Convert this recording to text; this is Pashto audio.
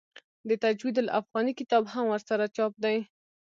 د تجوید الافغاني کتاب هم ورسره چاپ دی.